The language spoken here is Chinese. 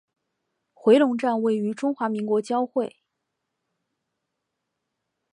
回龙站位于中华民国交会。